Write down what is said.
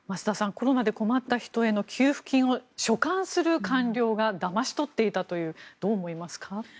コロナで困った人への給付金を所管する官僚がだまし取っていたというどう思いますか？